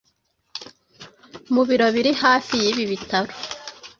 mu biro biri hafi y'ibi bitaro